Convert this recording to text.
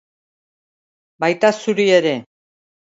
Baita zuri ere.